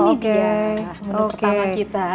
ini dia penyanyi pertama kita